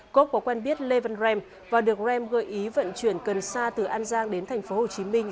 cope có quen biết levan rem và được rem gợi ý vận chuyển cần sa từ an giang đến thành phố hồ chí minh